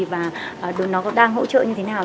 và nó đang hỗ trợ như thế nào